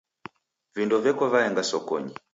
Vindo veko vaenga sokonyi.